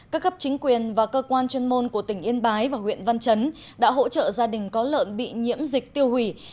các cấp chính quyền và cơ quan chuyên môn của tỉnh yên bái và huyện văn chấn đã hỗ trợ gia đình có lợn bị nhiễm dịch tiêu hủy